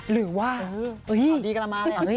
หรือว่าเอ้ยเอาดีกำลังมาเลย